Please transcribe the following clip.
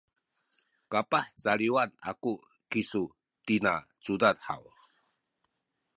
kapah caliwen aku kisu tina cudad haw?